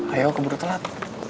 ayo keburu telat